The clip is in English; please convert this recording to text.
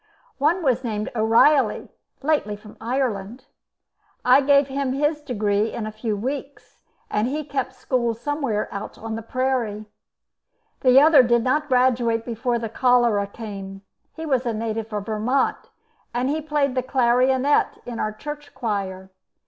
One was named O'Reilly, lately from Ireland; I gave him his degree in a few weeks, and he kept school somewhere out on the prairie. The other did not graduate before the cholera came. He was a native of Vermont, and he played the clarionet in our church choir.